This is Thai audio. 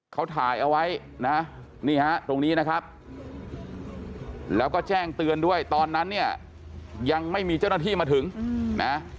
เขาถ่ายเอาไว้นะนี่ฮะตรงนี้นะครับแล้วก็แจ้งเตือนด้วยตอนนั้นเนี่ยยังไม่มีเจ้าหน้าที่มาถึงนะ